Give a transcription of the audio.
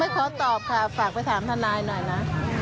ขอตอบค่ะฝากไปถามทนายหน่อยนะ